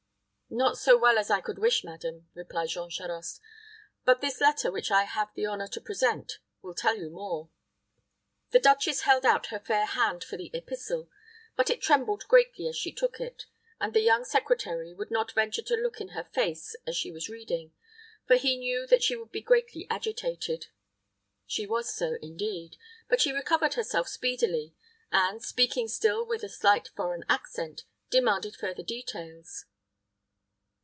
"Not so well as I could wish, madam," replied Jean Charost; "but this letter which I have the honor to present will tell you more." The duchess held out her fair hand for the epistle, but it trembled greatly as she took it; and the young secretary would not venture to look in her face as she was reading, for he knew that she would be greatly agitated. She was so, indeed; but she recovered herself speedily, and, speaking still with a slight foreign accent, demanded further details.